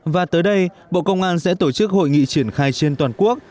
và tới đây bộ công an sẽ tổ chức hội nghị triển khai trên toàn quốc